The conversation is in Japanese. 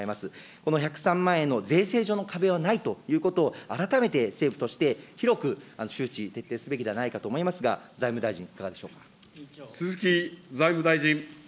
この１０３万円の税制上の壁はないということを改めて政府として広く周知徹底すべきではないかと思いますが、財務大臣、いかがで鈴木財務大臣。